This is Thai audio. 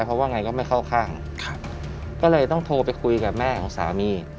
เพราะว่าไงก็ไม่เข้าข้างก็เลยต้องโทรไปคุยกับแม่ของสามี